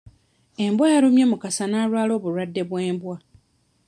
Embwa yalumye Mukasa n'alwala obulwadde bw'embwa.